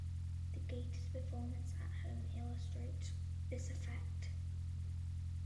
The Gators' performance at home illustrates this effect.